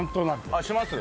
あっします？